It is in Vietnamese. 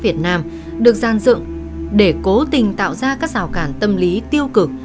tiếng nói việt nam được gian dựng để cố tình tạo ra các rào cản tâm lý tiêu cực